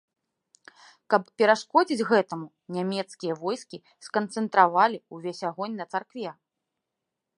Каб перашкодзіць гэтаму, нямецкія войскі сканцэнтравалі ўвесь агонь на царкве.